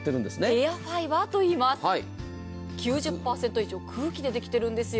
エアファイバーといいます、９０％以上空気で出来てるんですよ。